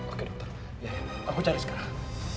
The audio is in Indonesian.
oke dokter ya aku cari sekarang